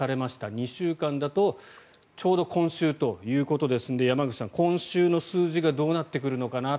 ２週間だとちょうど今週ということですので山口さん、今週の数字がどうなってくるのかな。